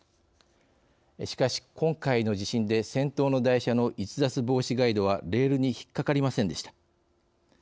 しかし、今回の地震で先頭の台車の逸脱防止ガイドはレールに引っ掛かりませんでした。